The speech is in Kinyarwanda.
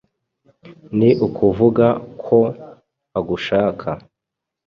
Ni ukuvuga ko agushaka